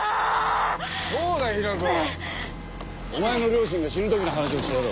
お前の両親が死ぬ時の話をしてやろう。